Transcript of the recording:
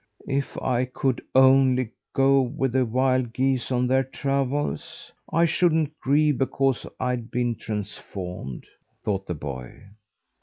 "If I could only go with the wild geese on their travels, I shouldn't grieve because I'd been transformed," thought the boy.